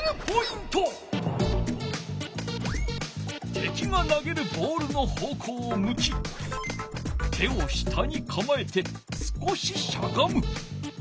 てきがなげるボールの方こうをむき手を下にかまえて少ししゃがむ。